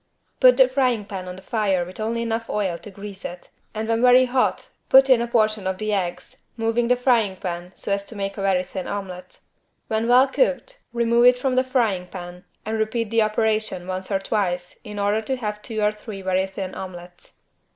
Put the frying pan on the fire with only enough oil to grease it and when very hot put in a portion of the eggs, moving the frying pan so as to make a very thin omelet. When well cooked, remove it from the frying pan and repeat the operation once or twice in order to have two or three very thin omelets.